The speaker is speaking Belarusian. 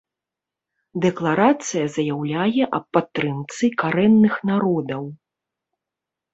Дэкларацыя заяўляе аб падтрымцы карэнных народаў.